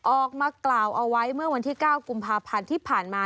ออกมากล่าวเอาไว้เมื่อวันที่๙กุมภาพันธ์ที่ผ่านมา